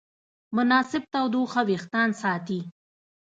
مناسب تودوخه وېښتيان ساتي.